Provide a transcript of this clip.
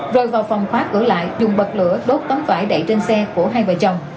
rồi vào phòng khóa cửa lại dùng bật lửa bốt tấm vải đậy trên xe của hai vợ chồng